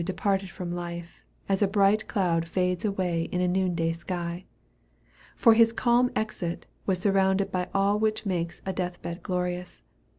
departed from life, as a bright cloud fades away in a noon day sky for his calm exit was surrounded by all which makes a death bed glorious.